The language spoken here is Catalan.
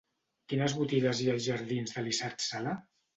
Quines botigues hi ha als jardins d'Elisard Sala?